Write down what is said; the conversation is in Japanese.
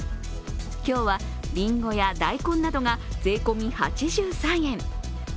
今日は、りんごや大根などが税込み８３円。